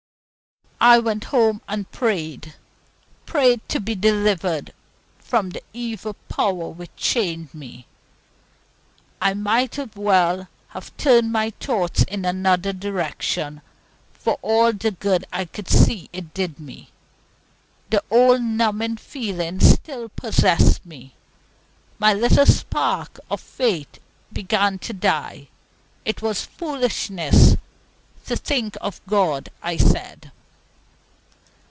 I went home and prayed prayed to be delivered from the evil power which chained me. I might as well have turned my thoughts in another direction for all the good I could see it did me. The old numbing feeling still possessed me. My little spark of faith began to die. It was foolishness to think of God, I said.